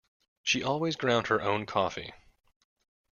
She always ground her own coffee.